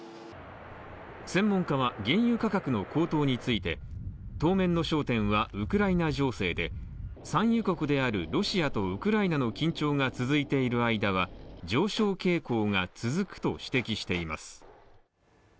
専門家は、原油価格の高騰にいて、当面の焦点はウクライナ情勢で産油国であるロシアとウクライナの緊張が続いている間は上昇傾向が続くと指摘しています。